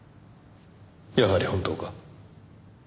やはり本当か？